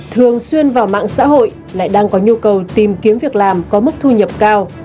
thường xuyên vào mạng xã hội lại đang có nhu cầu tìm kiếm việc làm có mức thu nhập cao